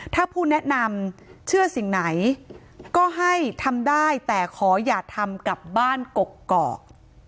ถ้าผู้แนะนำเชื่อสิ่งไหนก็ให้ทำได้แต่ขออย่าทำกับบ้านกกอก